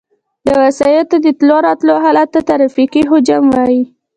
د وسایطو د تلو راتلو حالت ته ترافیکي حجم وایي